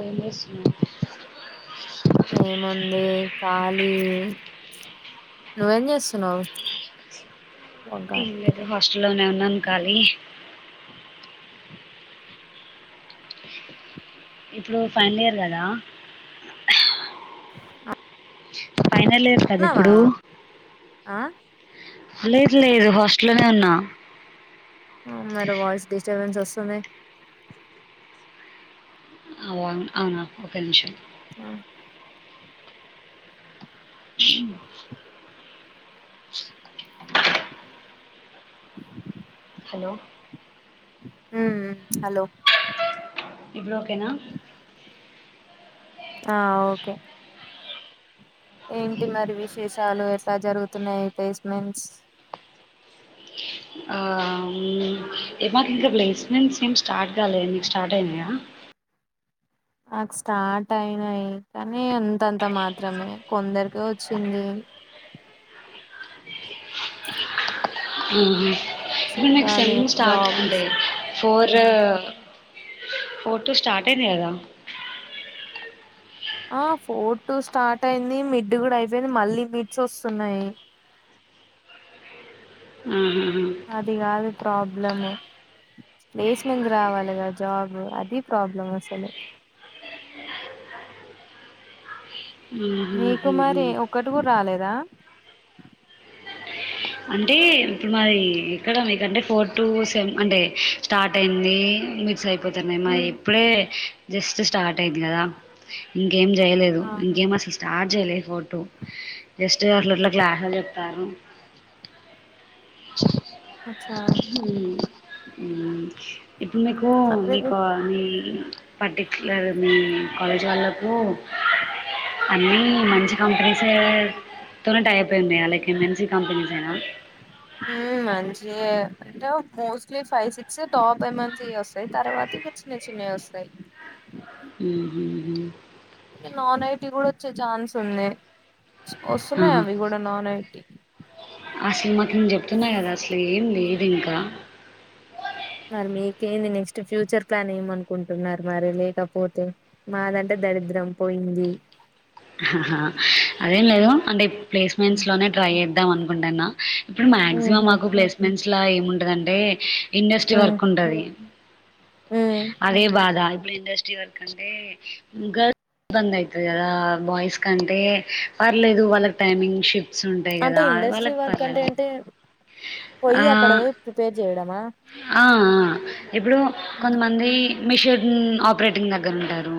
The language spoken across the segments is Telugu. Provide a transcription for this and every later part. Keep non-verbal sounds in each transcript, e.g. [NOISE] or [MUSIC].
ఏం చేస్తున్నావ్ ఏముంది ఖాలీ నువ్వేం చేస్తున్నావు ఉన్నావా ఇల్దు అస్ [UNINTELLIGIBLE] ఇంట్లోనే ఉన్నాను కాలీ ఇప్పుడు ఫైనల్ ఇయర్ కదా అ ఫైనల్ ఇయర్ కదా ఇప్పుడు ఆ లేదు లేదు హాస్టల్లోనే ఉన్నా మరి వాయిస్ డిస్టర్బెన్స్ ఓస్తుంది అవు అవునా ఒక నిమిషం ఆ ఆ హలో హు హ్ హలో ఇప్పుడు ఒకే నా ఆ ఓకే ఏంటి మరి విశేషాలు ఎట్లా జరుగు తున్నయి ప్లేస్మెంట్స్ ఆహ్ మాకు ఇంకా ప్లేస్మెంట్స్ ఏమ్ స్టార్ట్ కాలే మిక్ స్టార్ట్ అయినయా నాకు స్టార్ట్ అయినాయి కానీ అంతంత మాత్రమే కొందరికే వచ్చింది ఉహు ఇప్పుడు మిక్ చూడాలి సేమ్ము స్టార్ట్ జాబ్స్ అంటే ఫోర్ ర్ ఫోర్ టూ స్టార్ట్ అయిందిగదా ఆ ఫోర్ టూ స్టార్ట్ అయింది మిడ్ కూడా అయిపోయింది మళ్ళీ మిడ్స్ వస్తున్నాయి ఆహా అదికాదు ప్రాబ్లం ప్లేస్మెంట్స్ రావాలిగా జాబ్ అది ప్రాబ్లం అసలు మ్మ్, మీకు మ్మ్, మరి మ్మ్. ఒక్కటి కూడా రాలేదా అంటే ఇప్పుడు మాది ఎక్కడ మీకంటే ఫోర్ టు సేమ్ అంటే స్టార్ట్ అయింది మిడ్స్ అయి పోతున్నాయి మయి ఇప్పుడే జస్ట్ స్టార్ట్ అయింది కదా ఎమ్ చేయలేదు ఆహా ఇంకేం అసలు స్టార్ట్ జేయలే ఫోర్ టూ జస్ట్ అట్ల ఇట్ల క్లాస్లు చెప్తర్రూ అచ్చా అ ఇప్పుడు మీకు అదే మీకు అది పర్టి లేదు హ్మ్ కాలేజీ వాళ్ళకు అన్నీ మంచి కంపెనీసే తొ టై అప్ ఉన్నాయి అల్లకి మంచి కంపెనీ ఆ హ్మ్ మంచేయే అంటే mostly five six top M N C యోస్తాయి తర్వాత ఇక చిన్న చిన్నయి వస్తాయి ఉహు హు ఆది నాన్ ఐటీ కూడా వచ్చే ఛాన్స్ ఉంది వస్తున్నాయి అవి కూడా నాన్ ఐటి అసమత్ నేను చెప్తున్నా కదా అసలు ఏం లేదు దీనికా మరి మీకేంది నెక్స్ట్ ఫ్యూచర్ ప్లాన్ ఏమనుకుంటున్నారు మరి లేకపోతే మాదంటే దరిద్రం పోయింది. హా హా అదేం లేదు అంటే ప్లేస్ మెంట్స్ లోనే ట్రై చేద్దాం అని ఉండన్న ఇప్పుడు మాక్సిమమ్ ఉహు మాకు ప్లేస్మెంట్స్ లా ఏము ఉంటదంటే ఇండస్ట్రీ ఉమ్ వర్క్ ఉంటది ఉమ్ అదే బాధా ఇప్పుడు ఇండస్ట్రీ వర్క్ అంటే గర్ల్స్ కి ఇబ్బందవుతుంది కదా బాయ్స్ కంటే పర్లేదు వాళ్ళకి టైమింగ్ షిఫ్ట్ అంటే ఇండస్ట్రీ వర్క్ అంటే ఏంటే పోయి అక్కడ పోయి ప్రిపేర్ చేయడం ఆ ఆ ఆ ఇప్పుడు ఉ కొంతమంది మిషన్ ఆపరేటింగ్ దగ్గర ఉంటారు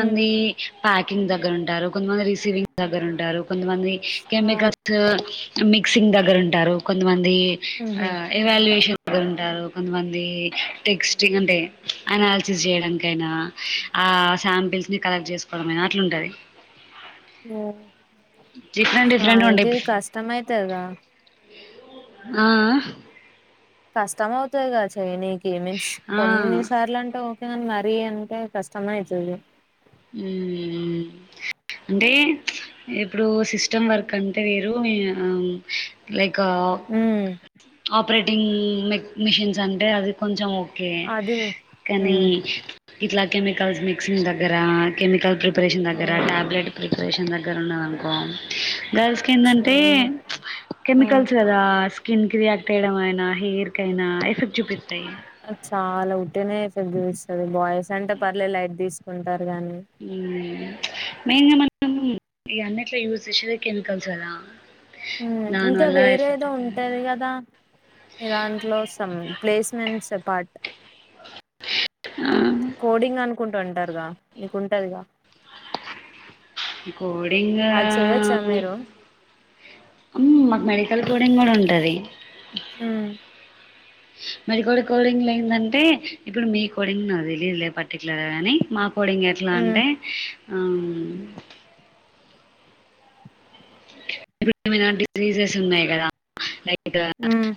ఉమ్ ప్యాకింగ్ దగ్గర ఉంటారు కొంతమంది రిసీవింగ్ దగ్గర ఉంటారు కొంతమంది ఆ కెమికల్సు మిక్సింగ్ దగ్గర ఉంటారు కొంతమంది ఈ ఆ ఉహు ఇవాల్యూయేషన్ ఉంటారు కొంతమంది టెక్స్ట్ంగ్ అంటే అనాలిసిస్ చేయడానికైనా ఆ శాంపిల్స్ని కలెక్ట్ చేసుకోవడం అయినా అట్లుంటాది హ్మ్ సో డిఫరెంట్‌గా ఉంటాయి. అయితే ఇది ఇప్పుడు కష్టం అయితది గా ఆ కష్టమవుతది గా చేయనీకీ ఏమిన్స్ ఆ! ఆ! కొన్ని సార్లు అంటావు హ్మ్ మరీ అంటే కష్ట మైతుంది హ్మ్ అంటే ఇప్పుడు సిస్టమ్ వర్క్ అంటే వేరు ఆ లైక్ కా అప్ ఆపరేటింగ్ మె మిషన్స్ అంటే అవి కొంచెం ఓకే అది కానీ ఉమ్ ఇట్లా కెమికల్స్ మిక్సింగ్ గ రా కెమికల్ కెమ్ ప్రిపేరషన్ ఆ దగ్గర టాబ్లెట్ ప్రిపరేషన్ దగ్ ద ఉన్న అనుకో గర్ల్స్ కి ఏందంటే చిన్న ఆ కెమికల్స్ కదా స్కిన్ క్రియాక్ట్ పేడమైనా హెయిర్కయినా ఎఫెక్ట్ చూపిస్తాయి చాలా ఉట్టిగనే ఫెబ్రస్తది బాయ్స్ అంటే పర్లే లైట్ తీసుకుంటరు. గానీ మెయిన్ గా మనము ఇగ అన్నిటి లో యూస్ చేసేదే కెమికల్స్ కదా దాని ఇంకా వల్ల వేరే ఎఫెక్ట్ ఏదో అవుతుంది ఉంటది కదా. మీ దాంట్లో సమ్ ప్లేస్మెంట్స్ అపార్ట్ ఆ కోడింగ్ అనుకుంట ద నీకుంటది కోడింగ్ ఆ అది చేయొచ్చా మీరు ఉమ్ మాకు మెడికల్ కోడింగ్ కూడా ఉంటది ఉమ్ మరి కూడ కోడింగ్ లేందంటే ఇప్పుడు మీ కోడింగ్ నా దగ్గర లేదు పర్టికులర్గా నే మా కోడింగ్ ఎట్లా ఉమ్ అంటే అవును మీద డిసీజెస్ ఉన్నాయి కదా లైక్ ఇద ఉమ్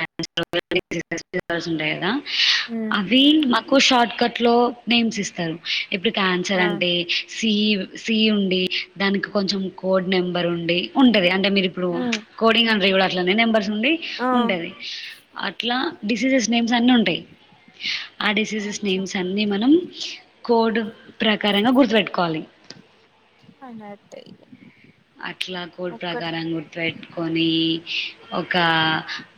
ఆ అదే రీల్స్ ఉంటాయి కదా ఉమ్ అవి మ క్ షార్ట్ కట్ లో నేమ్స్ ఇస్తారు ఇప్పుడు క్యాన్సర్ ఆ అండి సి సీ ఉండి దానికి కొంచెం కోడ్ నెంబర్ ఉండి ఉంటది గాన్ మీరిప్పుడు కోడింగ్ అండ్ [UNINTELLIGIBLE] నంబర్స్ ఉండి ఉంటది అట్లా డిసీజెస్ నేమ్స్ అన్ని ఉంటయి. ఆ డిసీజెస్ అచ్చా నేమ్స్ అన్ని మనం కోడ్ ప్రకారంగా గుర్తుపెట్టుకోవాలి. అనాతే అట్లా కోడ్ ప్రకారం గుర్తుపెట్టుకొని ఒక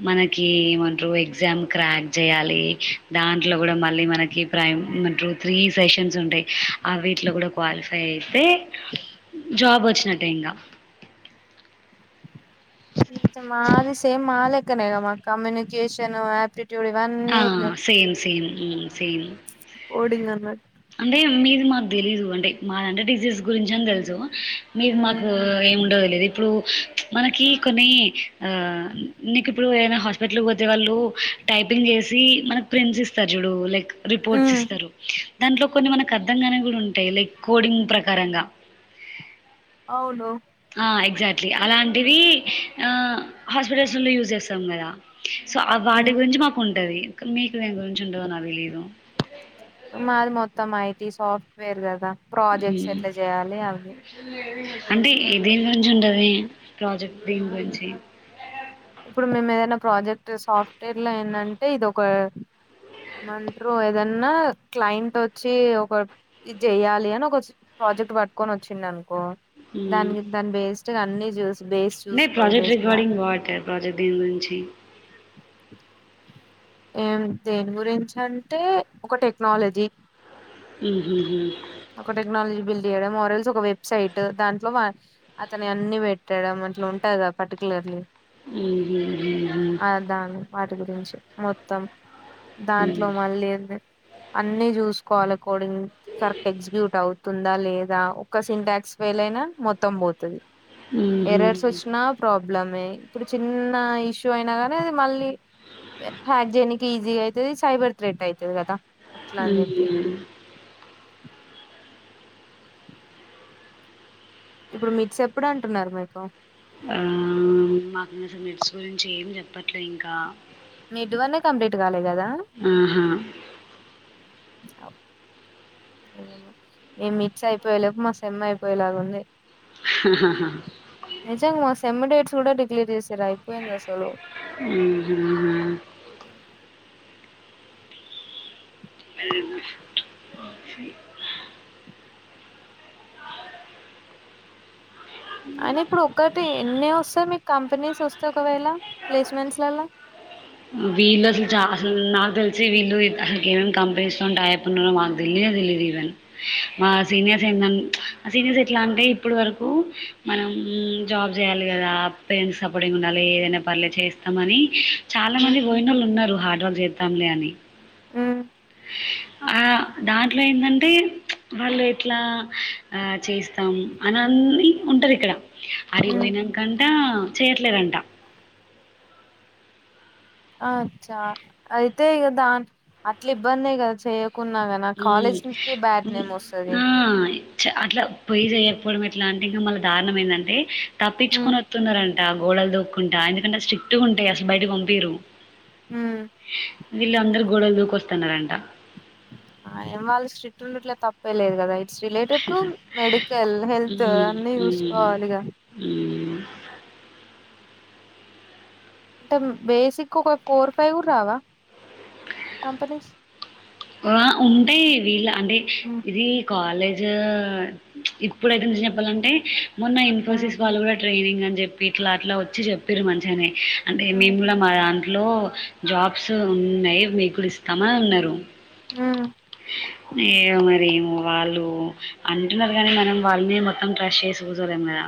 మనకి ఏమంట్రో ఎగ్జామ్స్ రాయినికి చేయాలి దాంట్లో కూడా మళ్ళీ మనకి ప్రైమ్ టూ త్రీ సెషన్స్ ఉంటాయి. అ వీటిలో కూడా క్వాలిఫై అయితే జాబ్ వచ్చిన ట్టేంగా మాది సేమ్ మాలెక్కనేగ మా కమ్యూనికేషన్ ఆపరేట్ ఆ same same um scene coding అన్న అంటే మీది మాకు తెలీదు అంటే మా అంటే టీ సీ యస్ గురించి అని తెలుసు మీది మాకు ఏమి ఉండదు లేదు ఇప్పుడు మనకి కొన్ని ఆ నీకు ప్పుడు ఏదైనా హాస్పిటల్కి పోతే వాళ్ళు టైపింగ్ చేసి మనకు ప్రింట్స్ ఇస్తారు చూడు లైక్ రిపోర్ట్స్ ఉమ్ ఇస్తారు దాంట్లో కొన్ని మనకు అర్థంగానే కూడా ఉంటాయి లైక్ కోడింగ్ ప్రకారంగా అవును అ ఎగ్జాక్ట్లీ అలాంటివి ఆ హాస్పెటల్సుల్లో యూజ్ జేస్తాం కదా సో ఆ వాటి ఉమ్ గురించి మాకుంటది మీకు దేని గురించి ఉంటదో నాకు తెలీదు మాది మొత్తం ఐ టీ సాఫ్ట్వేర్ కదా ప్రాజెక్ట్స్ హ్మ్. ఎట్లా చేయాలి అవి అంటే ఇ దేని గురించి ఉండది ప్రాజెక్ట్ దీని గురించి ఇప్పుడు మేము ఏదైనా ప్రాజెక్ట్ సాఫ్ట్వేర్ లో ఏందంటే ఇది ఒక ఏమంటారు ఏదన్నా క్లయింటొచ్చి ఒక ఇది చెయ్యాలి అని ఒక ప్రాజెక్ట్ పట్టుకొని వచ్చింది అనుకో మ్మ్. దానికి దాని బేస్టే అన్ని చూసి బేస్ చూసుకోవాలి బేస్ గా ప్రాజెక్ దేని గురించి ఏం దేని గురించి అంటే ఒక టెక్నాలజీ ఊ హూ హూ ఒక టెక్నాలజీ బిల్డ్ చేయడం ఆర్ ఎల్స్ ఒక వెబ్సైట్ దాంట్లో వ అతని అన్నీ పెట్టడం అట్లుంటదా పర్టికులర్లీ మ్మ్ హ్మ్ హ్మ్ హ్మ్. ఆదాన్ వర్ రెండు తెలుసు మొత్తం దాంట్లో మళ్ళేంది అన్నీ చూసుకోవాలె కోడింగ్ కర్ ఎగ్జిగ్యూటౌ తుందా లేదా ఒక సింటాక్స్ ఫెయిలైనా మొత్తం బోతది మ్మ్ హ్మ్ ఎర్రర్స్ వచ్చినా ప్రాబ్ బ్లమే ఇప్పుడు చిన్న ఇష్యూ అయినా కానీ అది మళ్ళీ హ్యాక్ జేయినికి ఈజీ అయితది సైబర్ థ్రెట్ అయితది కదా అట్లా అని హుమ్ చెప్పి ఇప్పుడు మిడ్స్ ఎప్పుడు అంటున్నారు మీకు హ్మ్ మాకు [UNINTELLIGIBLE] మిడ్స్ గురించి ఏం చెప్పట్లే ఇంకా మిడ్ వన్ ఏ కంప్లీట్ గాలే ఊహూ అప్ నిజమే ఈ మిడ్స్ అయిపోయే లోపు మా సెమ్ అయిపోయేలాగుంది సేన్ డేట్స్ గుడా డిక్ క్లియర్ జేసర్ అయిపోయింద్ అసలు మ్మ్ హ్మ్ హ్మ్. [UNINTELLIGIBLE] అని ఇప్పుడు ఒక్కటి ఎన్ని ఓస్తాయి మీక్ కంపెనీస్ ఓస్తే ఒకవేళ ప్లేస్మెంట్స్లల వీళ్ళు అసలు చ అసలు నాకు తెలిసి వీళ్ళు ఎట్ ఏమ కంపెనీస్ తంటా అప్న్నరో మాకు తెలీదు ఈవెన్ మా సీనియర్స్ ఎన్ దన్ సీనియర్స్ ఎట్లా అంటే ఇప్పుడు వరకు మనం జాబ్ చేయాలి కదా పేరెంట్స్ సపోర్టింగ్ ఉండాలి ఏదైనా పర్లే చేస్తామని చాలా ఉమ్ మంది వయిన వాళ్ళు ఉన్నారు హార్ లు చేద్దాంలే అని ఆ ఆ దాంట్లో ఏంటంటే వాళ్ళు ఎట్లా ఆ చేస్తాం అనిన్ని ఉంటారు ఇక్కడ ఉమ్ అరిపోయిన కంట చేయట్లేదంట అచ్చా అయితే కదా అట్లా ఇబ్బంది కదా చేయ అకున్నా క హ్మ్. కాలేజ్కే బ్యాడ్ హ్మ్. నేమ్ వస్తుంది ఆ! అట్లా పొయి చేయకపోవడం ఎట్లా అంటే ఇంకా మళ్ళ దారుారణం ఏంటంటే ఉమ్ తప్పించుకొని వస్తున్నారండి గోడలు దక్కుంటా ఎందుకంటే స్ట్రిక్ట్గా ఉంటాయి అస బయటకి పంపియరు ఉమ్ ఇలా అందరు గొడలు దూకి వస్త తనారు అంటా ఆ ఏం వాళ్ళ స్ట్రిక్ట్ ఉండట్లే తప్పేలేదు కదా it's related to medical health హ్మ్. అన్ని హ్మ్. చూసుకోవాలిగాద హ్మ్. అంటే బేసిక్ ఒక ఫోర్ ఫైవ్ రావా కంపెనీస్ ఆ ఉంటే వీలా అంటే మ్మ్ ఇది కాలేజ్ ఇప్పుడుఐతే చెప్పాలంటే మొన్న ఇన్ఫోసిస్ వాళ్ళు కూడా ట్రైనింగ్ అని చెప్పి ఇట్లా అట్లా వచ్చి చెప్పిరు మంచిగానే అంటే మేము కూడా మ లో జాబ్స్ ఉన్నాయి మీకు ఇస్తామని అన్నారు హ మరి వాళ్ళు అంటున్నారు కానీ మనం వాళ్ళని మొత్తం ట్రస్ట్ చేసి కూర్చోలేం కదా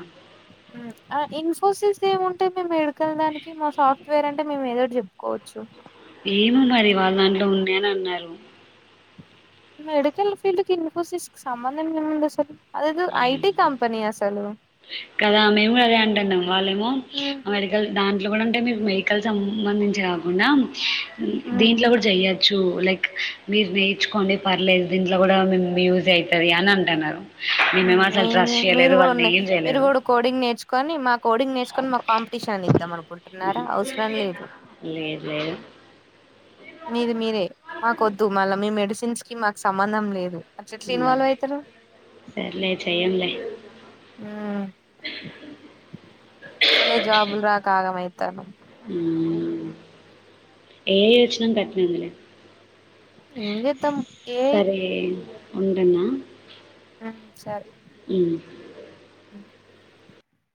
ఇన్ఫోసిస్ ఏముంటా మే ఎడికల్ దానికి మా సాఫ్ట్వేర్ అంటే మేము ఏదోటి చెప్పుకోవచ్చు ఏమో మరి వాళ్ళ దాంట్లో ఉంది అని అన్నారు మెడికల్ ఫీల్డ్ కి ఇన్ఫోసిస్ క సంబంధం ఏముంది అస్సలు కదా మేము అదే అంటాండం వాళ్ళేమో హ్మ్. ఆ మెడికల్ ద ఇట్లా కూడా అంటే మీరు మెహికల్ సంబంధించి కాకుండా హ్మ్. దీంట్లో కూడా జేయ్యచ్ చు లైక్ మీరు నేర్చుకోండి పర్లేదు దీంట్లో గూడా మేం యూజ్ అయితద అని అంటన్నారు ఏం జే మీరు కూడా న్ ఏం మీరు చేయలేదు కూడా కోడింగ్ నేర్చుకో కోనీ మాక్ కోడింగ్ నేర్చుకొని మాక్ కాంపిటీషన్ ఇద్దాం అనుకుంటున్నారా అవసరం లేదు లేదు మీది మీరే మాకొద్దు మళ్ళా మీ మెడిసిన్స్ కి మాక్ సంబంధం లేదు అట్లా ఎట్లా ఇన్వాల్వ్ లేదు అయితరు సర్లే చెయ్యంలే ఊ అసలే జాబుల్ రాక ఆగామైతణం ఉ ఏ వచ్చిన గాట్నే ఉంది లే ఎం జెత్తం ఏ ఐ ఉండనా ఆహ్ సరే ఉ